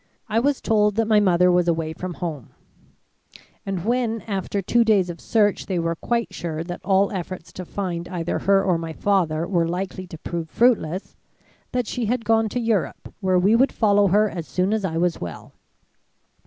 I was told that my mother was away from home; and when after two days of search they were quite sure that all efforts to find either her or my father were likely to prove fruitless, that she had gone to Europe where we would follow her as soon as I was well.